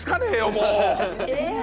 もう。